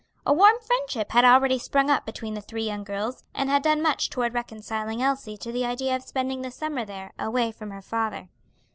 A warm friendship had already sprung up between the three young girls, and had done much toward reconciling Elsie to the idea of spending the summer there away from her father.